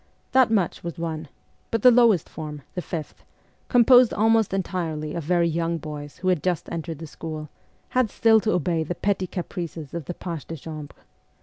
That much was won ; but the lowest form, the fifth, composed almost entirely of very young boys who had just entered the school, had still to obey the petty caprices of the pages de chambre.